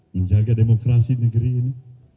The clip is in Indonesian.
menjaga demokrasi negeri ini